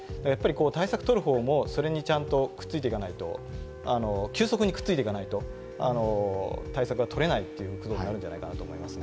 対策とる方もそれにちゃんとくっついていかないと急速にくっついていかないと、対策は取れないということになるんじゃないかなと思いますね。